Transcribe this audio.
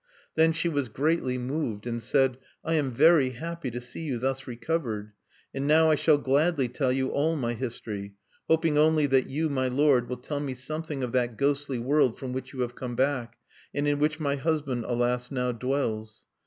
Then she was greatly moved, and said: "I am very happy to see you thus recovered. And now I shall gladly tell you all my history; hoping only that you, my lord, will tell me something of that ghostly world from which you have come back, and in which my husband, alas, now dwells.